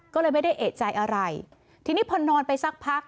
ก็เลยไม่ได้เอกใจอะไรทีนี้พอนอนไปสักพัก